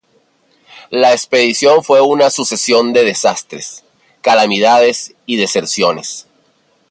La expedición fue una sucesión de desastres, calamidades y deserciones.